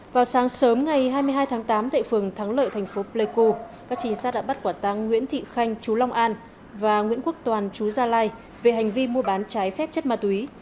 vào sáng sớm ngày hai mươi hai tháng tám tại phường thắng lợi thành phố pleiku các trinh sát đã bắt quả tăng nguyễn thị khanh chú long an và nguyễn quốc toàn chú gia lai về hành vi mua bán trái phép chất ma túy